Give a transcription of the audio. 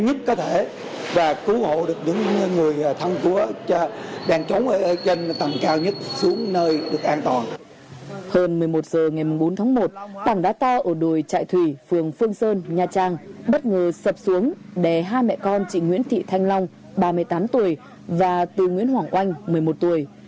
hơn một mươi một h ngày bốn tháng một tảng đá to ở đồi trại thủy phường phương sơn nha trang bất ngờ sập xuống đè hai mẹ con chị nguyễn thị thanh long ba mươi tám tuổi và tư nguyễn hoàng oanh một mươi một tuổi